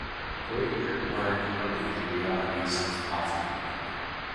Bojer learned early the realities of poverty.